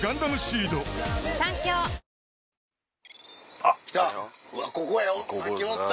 あっきた！